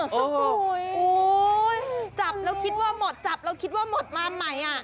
โอ้โหจับแล้วคิดว่าหมดจับแล้วคิดว่าหมดมาใหม่